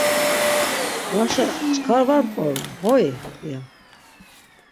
Varşa çkar var mp̌orom hoi? ya.